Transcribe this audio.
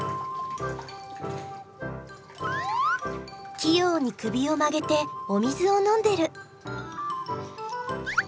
器用に首を曲げてお水を飲んでる。